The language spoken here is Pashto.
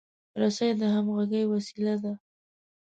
رسۍ د همغږۍ وسیله ده.